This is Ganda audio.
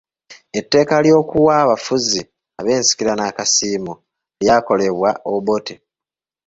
Etteeka ly’okuwa abafuzi b’ensikirano akasiimo lyakolebwa Obote.